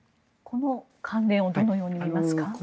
この関連をどのように見ますか？